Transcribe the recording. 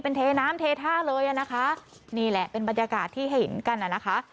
เป็นเทน้ำเทท่าเลยอ่ะนะคะนี่แหละเป็นบรรยากาศที่เห็นกันน่ะนะคะ